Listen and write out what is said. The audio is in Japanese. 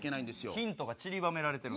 ヒントがちりばめられてるの。